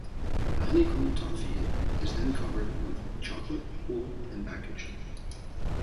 The honeycomb toffee is then covered with chocolate, cooled, and packaged.